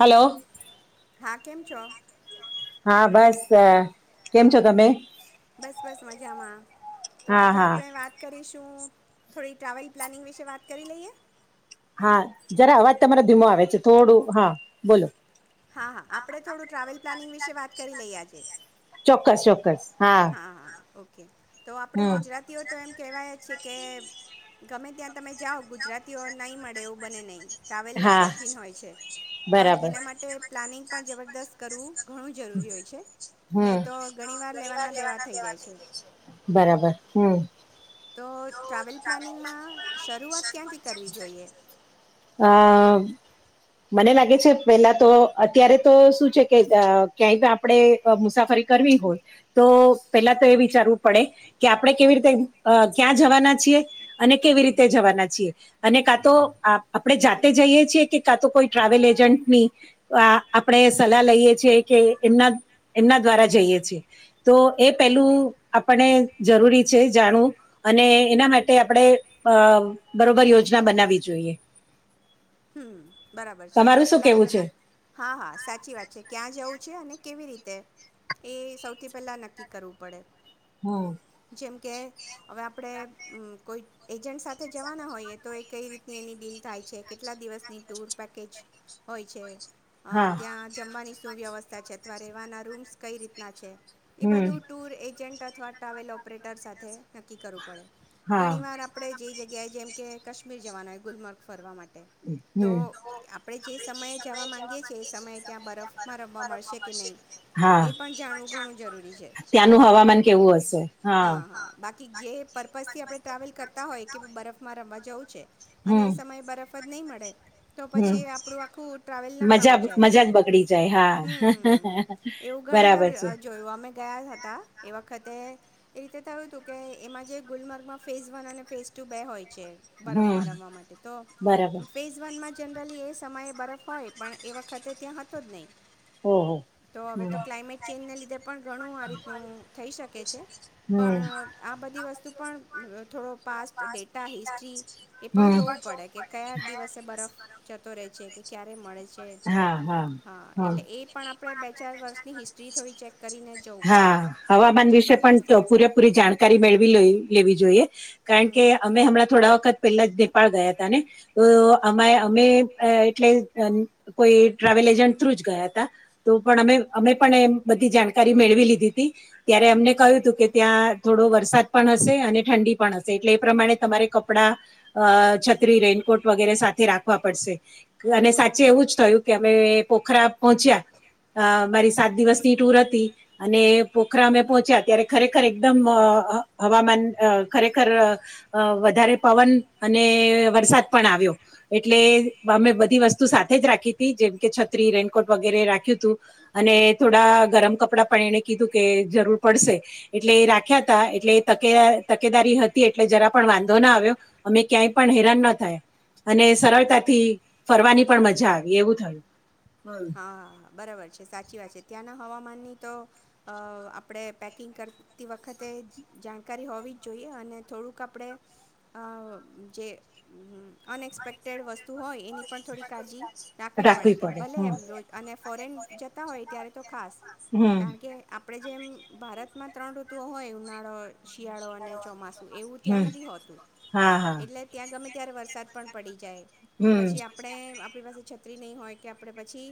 Hello. હા, કેમ છો? હા, બસ કેમ છો તમે? બસ બસ મજામાં તો હા આજે હા આપણે વાત કરી શું થોડી ટ્રાવેલ પ્લાનિંગ વિશે વાત કરી લઈએ. હા જરા અવાજ તમારો ધીમો આવે છે થોડું હા બોલો. હા હા આપણે થોડું ટ્રાવેલ પ્લાનિંગ વિશે વાત કરી લઈએ આજે. ચોક્કસ ચોક્કસ હા. હા હા ઓકે તો આપણે હમ ગુજરાતીઓ તો એમ કહેવાય છે કે ગમે ત્યાં તમે જાઓ ગુજરાતીઓ નહીં મળે એવું બને નહીં. ટ્રાવેલના હા શોખીન હોય છે, પણ બરાબર એના માટે પ્લાનિંગ પણ જબરદસ્ત કરવું ઘણું જરૂરી હોય છે, નઈ તો ઘણીવાર લેવાના લેવાના દેવા થઈ જાય છે. બરાબર. હમ તો ટ્રાવેલ પ્લાનિંગમાં શરૂઆત ક્યાંથી કરવી જોઈએ? અ મને લાગે છે, પહેલા તો અત્યારે તો શું છે કે અ ક્યાંય તો આપડે અ મુસાફરી કરવી હોય તો પહેલા તો એ વિચારવું પડે કે આપડે કેવી રીતે અ ક્યાં જવાના છીએ અને કેવી રીતે જવાના છીએ. અને કા તો આ-આપડે જાતે જઈએ છીએ કે કાં તો કોઈ ટ્રાવેલ એજન્ટની તો આ આપડે સલાહ લઈએ છીએ કે એમના એમના દ્વારા જઈએ છીએ. તો એ પહેલુ આપડે જરૂરી છે જાણવું. અને એના માટે આપડે અ બરોબર યોજના બનાવી જોઈએ. હમ, બરાબર છે. એટલે તમારું શું પેલા કહેવું છે હા, હા, સાચી વાત છે. ક્યાં જવું છે અને કેવી રીતે એ સૌથી પેલા નક્કી કરવું પડે. હમ. જેમ કે હવે આપડે મ કોઈ એજન્ટ સાથે જવાના હોઈએ તો એ કઈ રીતે એની ડીલ થાય છે કેટલા દિવસની ટૂર પેકેજ હોય છે, અ હા. ત્યાં જમવાની શું વ્યવસ્થા સા છે, અથવા રહેવાના રૂમ્સ કઈ રીતના છે, એ હમ્મ. બધું ટૂર એજન્ટ અથવા ટ્રાવેલ ઓપરેટર સાથે નક્કી કરવું પડે. હા. ઘણીવાર આપ આપડે જે જગ્યાએ, જેમ કે કશ્મીર જવાના હોય, ગુલમર્ગ ફરવા મા ટે તો હમ્મ આપડે જે સમયે જવા માંગીએ છીએ, એ સમયે ત્યાં બરફમાં રમવા મળશે કે નઈ? હા. એ પણ જાણવું ઘણું જરૂરી છે. ત્યાંનું હવામાન કેવું હશે? હા. બાકી જે પર્પઝથી આપડે ટ્રાવેલ કરતા હોઈએ કે બરફમાં રમવા જવું છે, અને હમ્મ. એ સમયે બરફ પદ નઈ મળે તો હમ્મ. પછી આપડુ આખું ટ્રાવેલ નકામુ મજા જાય. મજા જ બગડી જાય હા. હમ, હમ, હમ. એવું ઘણીવાર બરાબર અ છે. જોયું, અમે ગયા હતા એ વખતે એ રીતે થયું તું કે એમાં જે ગુલમર્ગમાં ફેઝ વન અને ફેઝ ટુ બે હોય છે. હમ બરફમાં રમવા માટે તો બરાબર ફેઝ વનમાં જનરલી એ સમયે બરફ હોય, પણ એ વખતે ત્યાં હતો જ નઈ. હમ્મ, હમ્મ. તો હવે તો ક્લાઇમેટ ચેન્જને લીધે પણ ઘણું આ રીતનું થઈ શકે છે. હમ. પણ આ બધી વસ્તુ પણ થોડો પાસ્ટ ડેટા, હિસ્ટ્રી એ પણ હમ. જોવું પડે કે, કયા દિવસે બરફ જતો રે છે કે ક્યારે મળે છે. હા, એટલે એ પણ આપડે બે-ચાર વર્ષની હિસ્ટ્રી થોડી ચેક કરીને જવું પડે હા, હવામાન જે વિશે પણ તો પર્પઝથી પૂરે પૂરી જાણકારી મેળવી લઈ લેવી જોઈએ. કારણ હમ કે અમે હમણાં થોડા વખત પેલા જ નેપાળ ગયા તા, ને તો હમ અમાય અમે અ [unintelligible] કોઈ ટ્રાવેલ એજન્ટ થ્રુ જ ગયા તા. તો પણ અમે હમ અમે પણ એ બધી જાણ કારી મેળવી લીધી તી, ત્યારે અમને કહ્યું હતું કે, ત્યાં થોડો વરસાદ પણ હશે અને ઠંડી પણ હશે. એટલે એ પ્રમાણે તમારે કપડા અ છત્રી રેનકોટ વગેરે સાથે રાખવા પડશે. હમ અને સાચે એવું જ થયું કે અમે પોખરા પોહોંચ્યા અ મારી સાત દિવસની ટુર હતી અને પોખરા અમે પહોંચ્યા, ત્યારે ખરેખર એકદમ અ હવામાન ખરેખર અ વધારે પવન અને વરસાદ પણ આવ્યો એટલે અમે બધી વસ્તુ સાથે જ રાખી તી. જેમ કે, છત્રી, રેનકોટ વગેરે રાખ્યું તું. અને થોડા ગરમ કપડાં પણ એને કીધું કે જરૂર પડશે. એટલે એ રાખ્યા તા. એટલે તકે તકેદારી હતી એટલે જરા પણ વાંધો ના આવ્યો. અમે ક્યાંય પણ હેરાન ના થયા. અને સરળતાથી ફરવાની પણ મજા આવી એવું થયું. હા બરાબર છે. સાચી વાત છે. ત્યાંના હવામાનની તો અ આપણે પેકિંગ કરતી વખતે જ જાણકારી હોવી જ જોઈએ. અને થોડુંક આપણેે અ જે અનએક્સપેક્ટેડ વસ્તુ હોય એની પણ થોડી કાળજી રાખવી પડે. કે ભલે એમ તો અને ફોરેન જતા હોય ત્યારે તો ખાસ. હમ. આપણે કારણ કે આપણે જેમ ભારતમાં ત્રણ ઋતુઓ હોય. ઉનાળો શિયાળો અને ચોમાસું એવું ત્યાં નથી હોતું. હા હા. એટલે ત્યાં ગમે ત્યારે વરસાદ પણ પડી જાય. તો હમ. પછી આપણે આપણી પાસે છત્રી નહીં હોય કે આપણે પછી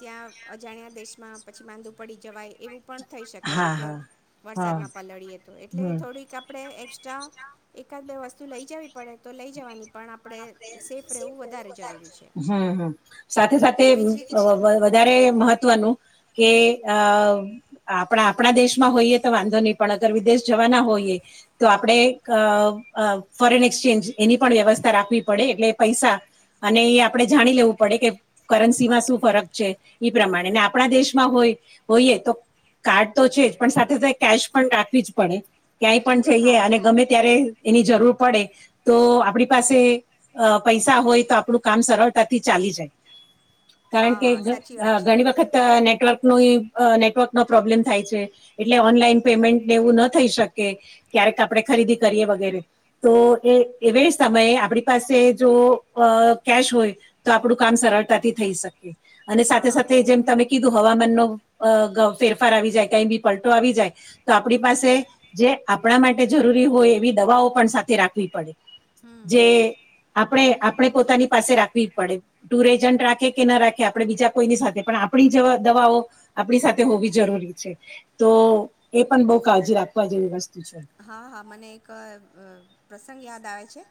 ત્યાં અજાણ્યા દેશમાં પછી માંદું પડી જવાય એવું પણ થઈ શકે ને હા કે હા હા વરસાદમાં પલળીએ તો એટલે એ હમ. થોડીક આપણે એસ્ટ્રા એકાદ બે વસ્તુ લઈ જવી પડે તો લઈ જવાની. પણ આપણે સેફ રહેવું વધારે જરૂરી છે. હમ્મ સાથે સાથે એવી જ રીતે હમ વધારે મહ મહવનું કે આ આપણા આપણા દેશમાં હોઈએ તો વાંધો નહી પણ અગર વિદેશ જવાના હોઈએ તો આપણે અ ફોરેન એક્સચેન્જ ની પણ વ્યવસ્થા રાખવી પડે. એટલે પૈસા અને એ આપડણે જાણી લેવું પડે કે કરન્સીમાં શું ફરક છે. ઈ પ્રમાણે ને આપણા દેશમાં હોય હોઈએ તો કાર્ડ તો છે જ પણ સાથે સાથે કેશ પણ રાખવી જ પડે. ક્યાંય પણ જઈએ હા અને ગમે ત્યારે એની જરૂર પડે તો આપણી પાસે અ પૈસા હોય તો આપણું કામ સરળતાથી ચાલી જાય. કારણ હા કે હા સાચી વાત છે ઘણી વખત નેટવર્ક ન નેટવર્ક નો પ્રોબ્લેમ થાય છે. એટલે ઓનલાઈન પેમેન્ટને એવું ન થઈ શકે ક્યારેક આપણે ખરીદી કરીએ વગેરે તો એ એવે સમયે આપણી પાસે જો કેશ હોય. તો આપણું કામ સરળતાથી થઈ શકે. અને હા સાથે સાથે હા જેમ તમે કીધું હવામાન ન ફેરફાર આવી જાય. કઈ બી પલટો આવી જાય. તો આપણી પાસે જે આપણા માટે જરૂરી હોય, એવી દવાઓ પણ સાથે રાખવી પડે. હમ હમ જે આપણે આપણે પોતાની પાસે રાખવી જ પડે. ટુર એજન્ટ રાખે કે ના રાખે આપણે બીજા કોઈની સાથે પણ આપણી જેવા દવાઓ આપણી સાથે હોવી જરૂરી છે તો એ પણ બઉ કાળજી રાખવા જેવી વસ્તુ છે. હા હા મને એક પ્રસંગ યાદ આવે છે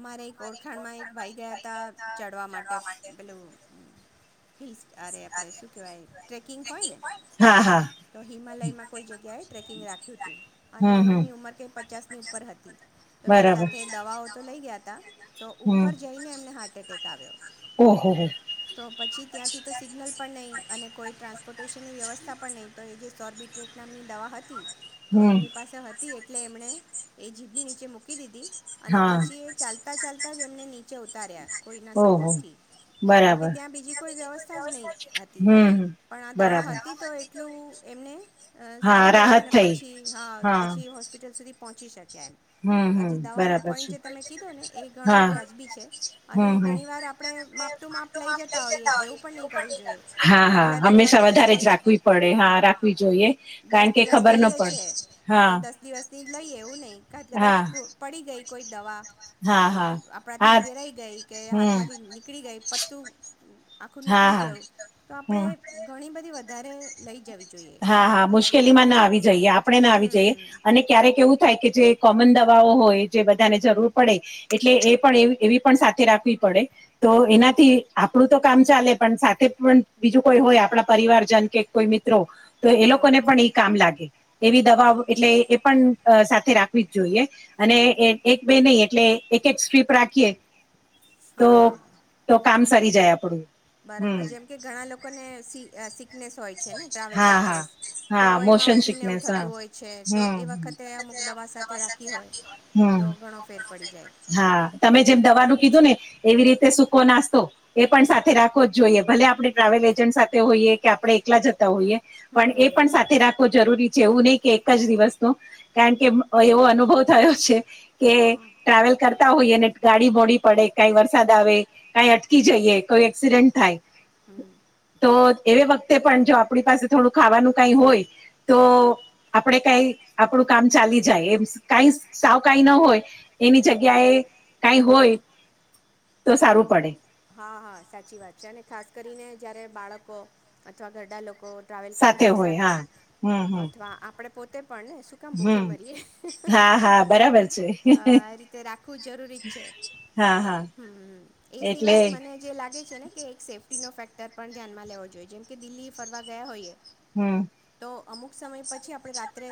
અમારે એક ઓ ખાણમાં એક ભાઈ ગયા હતા ચડવા માટે પેલું હિલ્સ અરે આપણે શું કહેવાય ટ્રેકિંગ હોય ને હા હા તો હિમાલયમાં કોઈ જગ્યાએ ટ્રેકિંગ રાખ્યું તું હમ હમ એમની ઉંમર કઈ પચાસની ઉપર હતી તો એમની બરાબર સાથે દવાઓ તો લઈ ગયા હતા તો હમ ઉપર જઈને એમને હાર્ટ એટેક આવ્યો ઓહો હો તો પછી ત્યાંથી તો સિગ્નલ પણ નહીં અને કોઈ ટ્રાન્સપોર્ટેશનની વ્યવસ્થા પણ નહીં તો એ જે સોર્બિટ્રેટ નામની દવા હતી તો હમ એમની પાસે હતી એટલે એમણે એ જીભની નીચે મૂકી દીધી અને હા પછી એ ચાલતી ચાલતાં ચાલતા જ એમને નીચે ઉતાર્યા કોઈના ઓહો સપોર્ટથી કારણ કે બરાબર ત્યાં બીજી કોઈ વ્યવસ્થા જ નહીં હતી હમ હમ, પણ આ દવા બરાબર હતી તો એટલું એમને હા સારું રહ્યું રાહત અને થઈ પછી હા પછી હોસ્પિટલ સુધી પહોંચી શક્યા એમ હમ તો હમ આજે દવાનો બરાબર પોઈન્ટ છે જે તમે કીધો ને એ ઘણો હા વ્યાજબી છે અને હમ હમ ઘણીવાર આપણે માપ ટ માપ લઈ જતા હોઈએ એવું પણ નહી કરવું જોઈએ હા હા કેટલા દિવસ હંમેશા વધારે જ સપોઝ રાખવી પડે હા રાખવી જોઈએ દસ કારણ કે દિવસ ખબર ન જઈએ છે. પડે તો હા દસ દિવસની જ લઈ એવું નહી કાચ કદાચ હા પડી ગઈ કોઈ દવા હા અ હા આપણાથી હા વેરાઈ ગઈ કે હમ હાથમાંથી નીકળી ગઈ પત્તું આખું હા નીકળી હા ગયું તો આપણે હમ ઘણી બધી વધારે લઈ જવી જોઈએ હા દવા હા મુશ્કેલી માં ના આવી જઈએ આપણે ના આવી જઈએ હમ અને ક્યારેક એવું થાય કે જે કોમન દવાઓ હોય જે બધાને જરૂર પડે એટલે એ પણ એ એવી પણ સાથે રાખવી પડે. તો એનાથી આપણું તો કામ ચાલે પણ સાથે પણ બીજું કોઈ હોય આપણા પરિવારજન કે કોઈ મિત્રો તો એ હા હા લોકોને પણ એઈ કામ લાગે એવી દવા એટલે એ પણ સાથે રાખવી જ જોઈએ અને એ એક બે નહી એટલે એક એક સ્ટ્રીપ રાખીએ તો હા હા હા તો કામ સરી જાય આપડું બરાબર જેમ કે ઘણા લોકોને સી સિકનેસ હોય છે ને ટ્રાવેલ હા હા સિકનેસ તો હા એમાં મોશન ઉલટીને એવું સિકનેસ હા થતું હોય છે તો હમ એ વખત તે અમુક દવા સાથે રાખી હોય તો હમ ઘણો ફેર પડી જાય હા તમે જેમ હમ દવાનું કીધું ને એવી રીતે સૂકો નાસ્તો એ પણ સાથે રાખવો જ જોઈએ ભલે આપણે ટ્રાવેલ એજન્ટ સાથે હોઈએ કે આપણે એકલા જતા હોઈએ હમ પણ એ હમ પણ સાથે રાખ જરૂરી છે એવું નહી કે એક જ દિવસ નો કારણ કે એવો અનુભવ થયો છે હા કે ટ્રાવેલ કરતા હોઈ અને ગાડી મોડી પડે કઈ વરસાદ આવે કઈ અટકી જઈએ કોઈ એક્સિડેન્ટ થાય હમ. તો એ વખતે પણ જો આપણી પાસે થોડું ખાવાનું કાઈ હોય તો આપડે કઈ આપણું કામ ચાલી જાય એમ કઈ સાવ કઈ ન હોય એની જગ્યા એ કઈ હોય તો સારું પડે હા હા સાચી વાત છે અને ખાસ કરીને જ્યારે બાળકો અથવા ઘરડા લોકો ટ્રાવેલ કરતા હોય સાથે હા હમ હમ અથવા આપણે પોતે પણ ને શું કમ ભૂખે હમ મરીએ હા હા તો બરાબર છે આ રીતે રાખવું જરૂરી જ છે. હા હા હમ એ એટલે સિવાય મને જે લાગે છે ને કે એક સેફ્ટી નો ફેક્ટર પણ ધ્યાનમાં લેવો જોઈએ જેમ કે દિલ્હી ફરવા ગયા હોઈએ હમ તો અમુક સમય પછી આપણે રાત્રે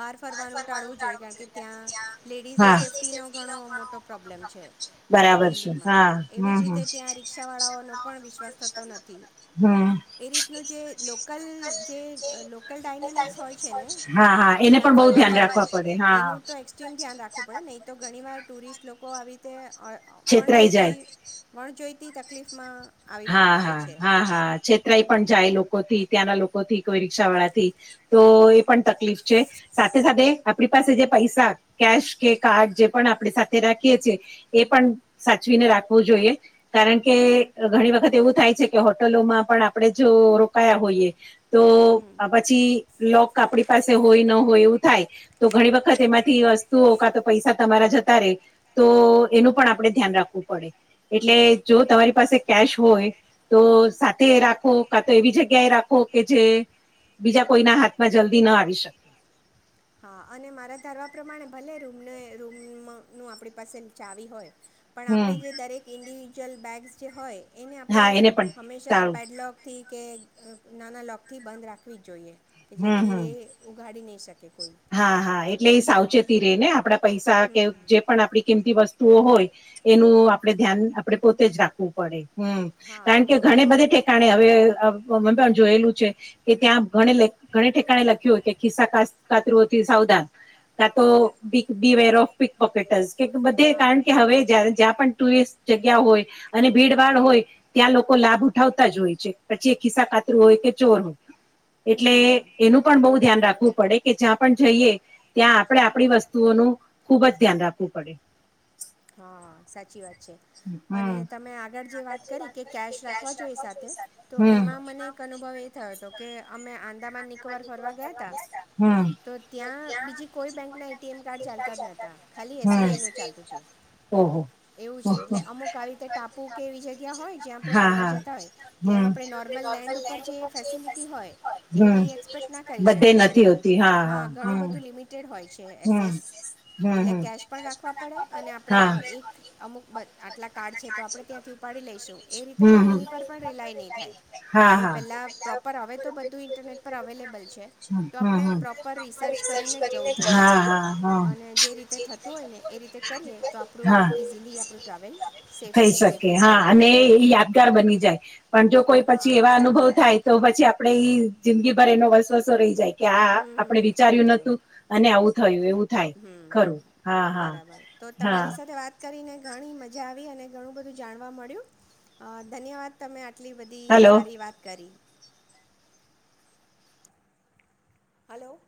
બહાર ફરવાનું ટાળવું જોઈએ કાયાકિ કે ત્યાં લેડીઝની હા. સેફ્ટીનો ઘણો મોટો પ્રોબ્લેમ છે. બરાબર છે. દિલ્હીમાં હા. એવી જ હમ હમ. રીતે ત્યાં રિકષાવાળાઓનો પણ વિશ્વાસ થતો નથી હમ એ રીતનું જે લોકલ જે હમ. લોકલ ડાયનેમિક્સ હોય છે. ને હા હા એને પણ બહુ ધ્યાન રાખવા પડે હા ચીમ ધ્યાન રાખવું પડે નહીં તો ઘણી વાર ટુરિસ્ટ લોકો આવી રીતે અ અણ છેતરાઈ જોઈતી જાય. અણ જોઈતી તકલીફમાં આવી હા પડતા હા હોય છે હા હા છેતરાઈ હમ પણ જાય લોક હો થી ત્યાંના લોકો થી કોઈ રિકષા વાળા થી તો એ પણ તકલીફ છે. સાથે સાથે આપણી પાસે જે પૈસા કેશ કે કાર્ડ જે પણ આપણે સાથે રાખીએ છીએ એ પણ સાચવીને રાખવું જોઈએ કારણ કે ઘણી વખત એવું થાય છે. કે હોટલોમાં પણ આપણે જો રોકાયા હોઈએ તો હમ પછી લોક આપણી પાસે હોય ન હોય એવું થાય તો ઘણી વખત એમાંથી વસ્તુઓ કા તો પૈસા તમારા જતા રે તો એનું પણ આપ આપણે ધ્યાન રાખવું પડે એટલે જો તમારી પાસે થોય તો સાથે રાખો કા તો એવી જગ્યા એ રાખો કે જે બીજા કોઈના હાથમાં જલ્દી ન આવી શકે હા અને મારા ધારવા પ્રમાણે ભલે રૂમને રૂમ નું આપડી પાસે ચાવી હોય પણ હમ આપડી જે દરેક ઇન્ડિવિજ્યુઅલ બેગ્સ જે હોય એને આપડે હા એને પણ હંમેશાં ટાળો પેડલોગ થી કે નાના લોકથી બંધ રાખવી જ જોઈએ કે હમ જેથી હમ એ ઉગાડી નહીં શકે કોઈ હા હા એટલે એ સાવચેતી રેય ને આપડા પૈસા હમ કે હમ. જે પણ આપડી કિંમતી વસ તુઓ હોય એનું આપડે ધ્યાન આપડે પોતે જ રાખવું પડે હમ હા કારણ હા કે હા ઘણી બધે ઠેકાણે હવે મન પણ જોયેલું છે. કે ત્યાં ઘણી ઠેકાણે લખ્યું હોય કે ખિસ્સા કાતરુંથી સાવધાન કા તો હમ be beware of pickpockets કે બધે હા કારણ કે હા હવે જ્યાં પણ ટુરિસ્ટ જગ્યા હોય અને ભીડભાડ હોય ત્યાં લોક લોકો લાભ ઉઠાવતા જ હોય છે. પછી એક ખિસ્સા કાતરૂ હોય કે ચોર હોય એટલે હમ એનું પણ બહુ ધ્યાન રાખવું પડે કે જ્યાં પણ જઈએ ત્યાં પડે આપડી વસ્તુઓનું ખુબ જ ધ્યાન રાખવું પડે હા સાચી વાત છે. અને હમ. તમે આગળ જે વાત કરી કે કેશ રાખવા જોએ સાથે તો હમ. એમાં મને અનુભવ એ થયો હતો કે અમે આંદામાન નિકોવાર ફરવા ગયા તા હતા હમ. તો ત્યાં બીજી કોઈ બેંકના એટીએમ કાર્ડ ચાલતા જ નહોતા ખાલી હમ. એસબીઆઈ ન ચાલતું હતું ઓહો એવું છે હા એટલે અમુક આવી રીતે ટાપુ કે એવી જગ્યા હોય જ્યાં આપડે ફરવા હા જતા હોય ત્યાં હમ આપડે નોર્મલ લેન્ડ ઉપર જે ફેસિલિટી હોય એવી હમ એક્સપેક્ટ ના કરી બધે શકીએ એમ નથી હોતી હા ઘણું બધું લિમિટેડ હોય છે હમ એસએસ હમ હમ એટલે હમ કેશ પણ રાખવા પડે અને આપડે હા એ અમુક બ આટલા કાર્ડ છે. તો આપડે ત્યાંથી ઉપાડી લઈશું એ રીતે હમ પણ હમ એની પર પણ રિલાય નહીં થાય હા આપડે હા પહેલાં પ્રોપર હવે તો બધું ઇન્ટરનેટ પર અવેલેબલ છે હમ તો હમ આપણે હમ પ્રો પર રિસર્ચ કરીને જ જવું જોઈએ હા હા હા અને થતું હોય ને એવી કરીએ તો હા. આપણું જે રીતે થતું હોય ને એ રીતે કરીએ તો આપ પડું ઇઝીલી આપડુ ટ્રાવેલ સેફ થઈ શકે સેફલી હા થઈ અને જાય યાદગાર બની જાય પણ જો કોઈ પછી હા એવા સાચી અનુભવ વાત થાય તો પછી આપડે જિંદગીભર એનો વસવસો રહી જાય કે આ છે આપડે હમ આવું વિચાર્યું થયું નતું અને આવું થયું એવું થાય ખરું હા હમ હા બરાબર તો હા તમારી સાથે વાત કરીને ઘણી મજા આવી અને ઘણું બધું જાણવા મળ્યું અ ધન્યવાદ તમે આટલી બધી હલો સારી વાત કરી હલો